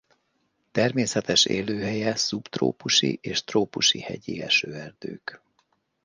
A természetes élőhelye szubtrópusi és trópusi hegyi esőerdők.